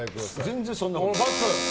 全然そんなことない。